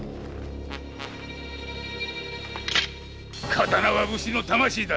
刀は武士の魂だ。